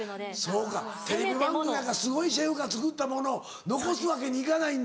そうかテレビ番組やからすごいシェフが作ったものを残すわけにいかないんだ。